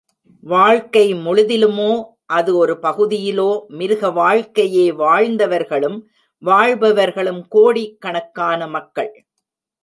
வாழ்க்கை முழுதிலுமோ, அது ஒரு பகுதியிலோ, மிருகவாழ்க்கையே வாழ்ந்தவர்களும், வாழ்பவர்களும் கோடி கணக்கான மக்கள்.